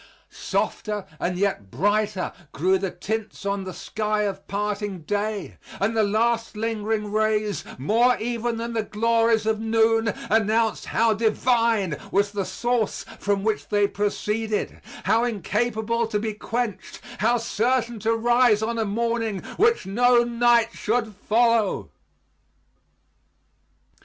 Softer and yet brighter grew the tints on the sky of parting day; and the last lingering rays, more even than the glories of noon, announced how divine was the source from which they proceeded; how incapable to be quenched; how certain to rise on a morning which no night should follow.